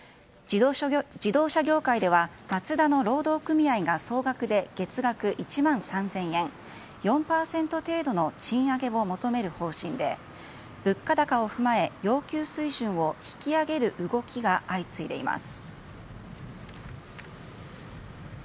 自動車業界ではマツダの労働組合が総額で月額１万３０００円４％程度の賃上げを求める方針で物価高を踏まえ要求水準を引き上げる動きが相次いでいます。